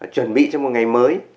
chuẩn bị cho một ngày mới